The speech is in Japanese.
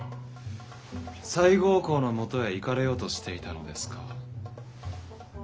西郷公のもとへ行かれようとしていたのですか？